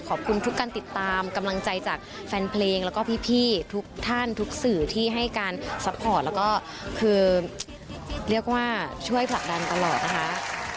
ขอบคุณทุกการติดตามกำลังใจจากแฟนเพลงแล้วก็พี่ทุกท่านทุกสื่อที่ให้การซัพพอร์ตแล้วก็คือเรียกว่าช่วยผลักดันตลอดนะคะ